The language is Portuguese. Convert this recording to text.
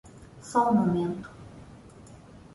Só um momento